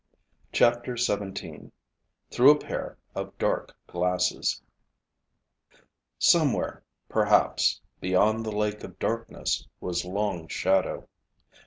CHAPTER XVII Through a Pair of Dark Glasses Somewhere, perhaps, beyond the Lake of Darkness, was Long Shadow.